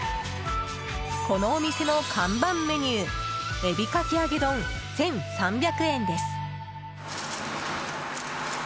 このお店の看板メニュー海老かき揚丼、１３００円です。